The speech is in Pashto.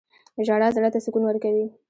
• ژړا زړه ته سکون ورکوي.